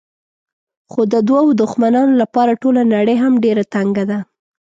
خو د دوو دښمنانو لپاره ټوله نړۍ هم ډېره تنګه ده.